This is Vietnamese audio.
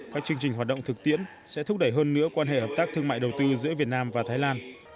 các chương trình hoạt động thực tiễn sẽ thúc đẩy hơn nữa quan hệ hợp tác thương mại đầu tư giữa việt nam và thái lan